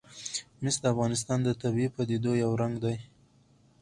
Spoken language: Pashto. مس د افغانستان د طبیعي پدیدو یو رنګ دی.